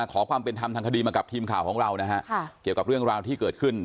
ขอความเป็นธรรมทางคดีมากับทีมข่าวของเรานะฮะเกี่ยวกับเรื่องราวที่เกิดขึ้น